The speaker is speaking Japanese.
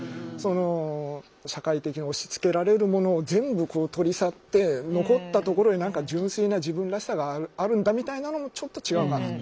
社会的に押しつけられるものを全部取り去って残ったところに純粋な自分らしさがあるんだみたいなのもちょっと違うかなって。